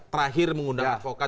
terakhir mengundang advokat